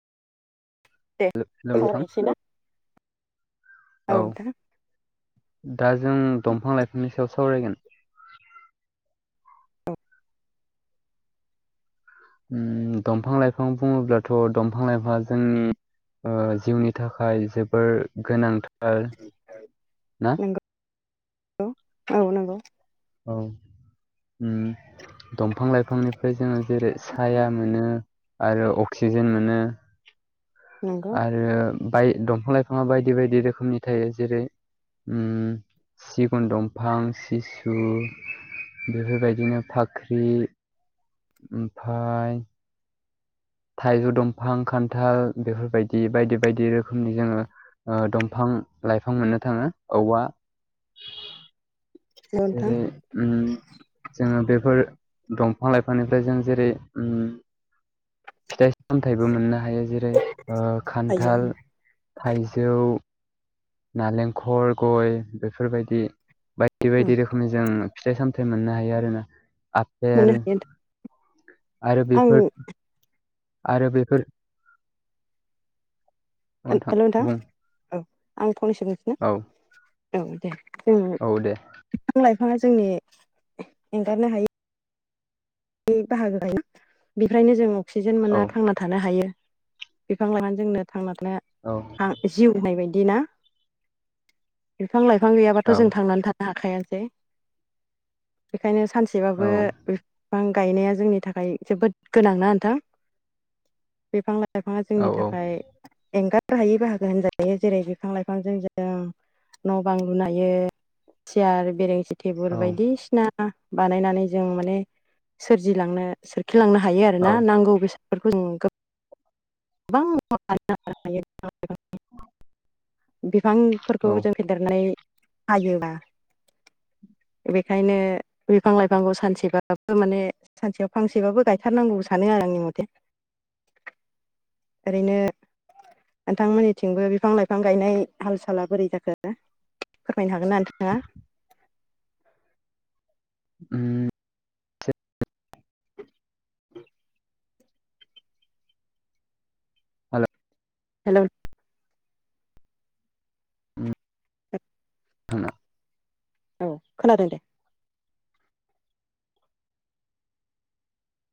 दे हेल' नोंथां सावरायनोसै ना औ दा जों दंफां लाइफांनि सायाव सावरायगोन ओ दंफां लाइफां बुङोब्लाथ' दंफां लाइफाङा जोंनि ओ जिउनि थाखाय जोबोर गोनांथार ना नंगौ औ औ नंगौ औ ओ दंफां लाइफांनिफ्राय जोङो जेरै साया मोनो आरो अक्सिजेन मोनो नंगौ आरो बाय दंफां लाइफाङा बायदि बायदि रोखोमनि थायो जेरै उम सिगुन दंफां बेफोरबायदिनो फाख्रि ओमफ्राय थाइजौ दंफां खान्थाल बेफोरबायदि बायदि बायदि रोखोमनि जोङो दंफां लाइफां मोननो थाङो औवा नोंथां जेरै जोङो बेफोर दंफां लाइफांनिफ्राय जों जेरै फिथाइ सामथायबो मोननो हायो जेरै हायो खान्थाल थाइजौ नालेंखल गय बेफोरबायदि बायदि बायदि रोखोमनि जों फिथाइ सामथाय मोननो हायो आरोना मोननो आपेल हायो नोंथां आरो आं बेफोर आरो बेफोर हेल' नोंथां औ आं फंनैसो मोनथिनो औ औ दे जों औ दे बिफां लाइफाङा जोंनि एंगारनो हायै बाहागो लायो बेनिफ्रायनो जों अक्सिजेन औ मोनना थांना थानो हायो बिफां लाइफाङा जोंनो थांनानै औ थानो जिउ होनाय बायदि बिदिना बिफां लाइफां गैयाबाथ' जों थांनानै थानो हाखायाानो बेखायनो औ सानसेबाबो बिफां गायनाया जोंनि थाखाय जोबोद गोनांना नोंथां बिफां लाइफां लाइफाङा जोंनि औ औ थाखाय एंगार हायै बाहागो होनजायो जेरै बिफां लाइफांजों जों न' बां लुनायो सियार बेरेंसि टेबोल औ बायदिसिना बानायनानै जों माने सोरजिलांनो लांनो हायो आरोना औ नांगौ बेसादफोरखौ जों गोबां [unintelligible] औ बिफांफोरखौ जों फेदेरनानै हायोबा [inaudible] बेखायनो बिफां लाइफांखौ सानसेबाबो माने सानसेयाव फांसेबाबो गायथारनांगौ सानो आरो आंनि मथे [inaudible] ओरैनो नोंथांमोननिथिंबो बिफां लाइफां गायनाय हाल साला बोरै जाखो फोरमायनो हागोन ना नोंथाङा उम [inaudible] हेल' हेल' [unintelligible] औ खोनादों दे